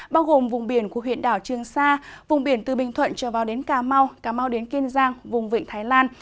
bao gồm vùng biển của huyện đảo trương sa vùng biển từ bình thuận trở vào đến cà mau cà mau đến kiên giang vùng vịnh thái lan